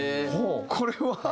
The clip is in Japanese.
これは？